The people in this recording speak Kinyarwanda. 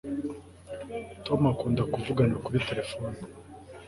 Tom akunda kuvugana kuri terefone